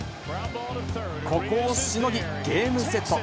ここをしのぎ、ゲームセット。